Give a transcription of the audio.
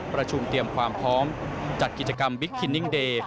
ประชุมเตรียมความพร้อมจัดกิจกรรมบิ๊กคินนิ่งเดย์